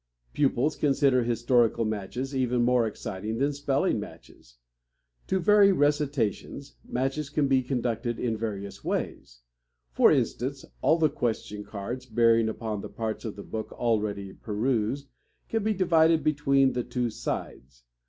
Pupils consider historical matches even more exciting than spelling matches. To vary recitations, matches can be conducted in various ways. For instance, all the question cards bearing upon the parts of the book already perused can be divided between the two "sides."